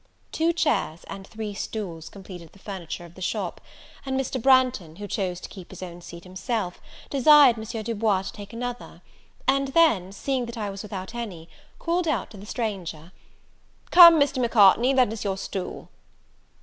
Two chairs and three stools completed the furniture of the shop; and Mr. Branghton, who chose to keep his own seat himself, desired M. Du Bois to take another; and then seeing that I was without any, called out to the stranger, "Come, Mr. Macartney, lend us your stool."